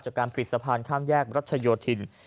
จากการปิดสะพานข้ามแยกรัชโยธิน